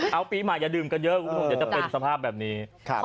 เอาปีใหม่อย่าดื่มกันเยอะคุณผู้ชมเดี๋ยวจะเป็นสภาพแบบนี้